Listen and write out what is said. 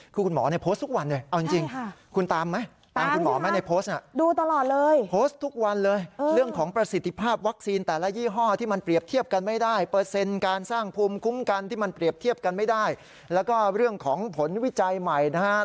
คือคุณหมอในโพสต์ทุกวันด้วย